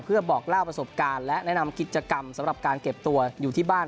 เพื่อบอกเล่าประสบการณ์และแนะนำกิจกรรมสำหรับการเก็บตัวอยู่ที่บ้าน